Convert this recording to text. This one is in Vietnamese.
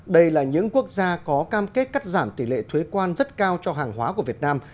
đây là những quốc gia có cam kết cắt giảm tỷ lệ thuế quan rất cao cho hàng hóa của việt nam